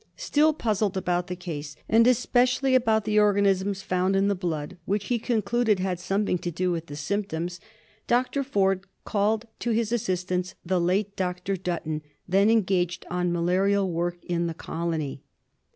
Still puzzled about the case and especially TRYPANOSOMIASIS. ICQ about the organisms found in the blood, which he concluded had something to dq with the symptoms. Dr. Forde called to his assistance the late Dr. Dutton, then engaged on malarial work in the colony.